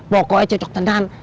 pokoknya cocok tenang